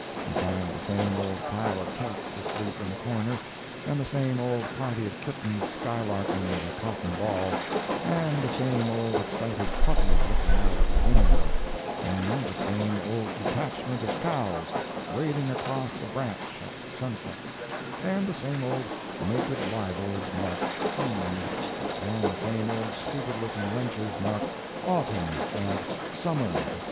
You find the same old pile of cats asleep in the corner; and the same old party of kittens skylarking with a cotton ball; and the same old excited puppy looking out of a window; and the same old detachment of cows wading across a branch at sunset; and the same old naked libels marked "Eve;" and the same old stupid looking wenches marked "Autumn," and "Summer," etc.